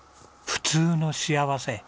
普通の幸せ。